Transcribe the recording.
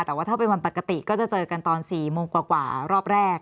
แต่ว่าถ้าเป็นวันปกติก็จะเจอกันตอน๔โมงกว่ารอบแรก